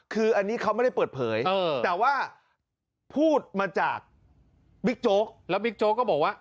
คืออันนี้เขาไม่ได้เปิดเผยแต่ว่าพูดมาจากบิ๊กโจ๊กแล้วบิ๊กโจ๊กก็บอกว่า